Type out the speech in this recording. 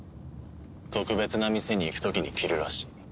特別な店に行く時に着るらしい。